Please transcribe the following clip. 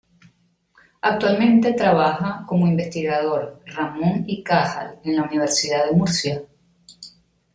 Actualmente trabaja como investigador "Ramón y Cajal" en la Universidad de Murcia.